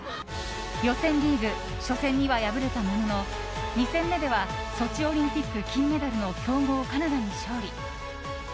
予選リーグ初戦には敗れたものの２戦目ではソチオリンピック金メダルの強豪カナダに勝利。